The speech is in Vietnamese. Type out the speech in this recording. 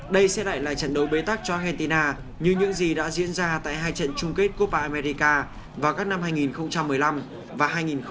đây sẽ lại là trận đấu bế tắc cho argentina như những gì đã diễn ra tại hai trận chung kết coppa armeniaca vào các năm hai nghìn một mươi năm và hai nghìn một mươi tám